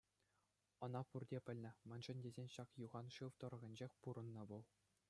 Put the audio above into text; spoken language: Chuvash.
Ӑна пурте пӗлнӗ, мӗншӗн тесен ҫак юхан шыв тӑрӑхӗнчех пурӑннӑ вӑл.